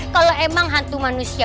kalau emang hantu manusia